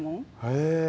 へえ。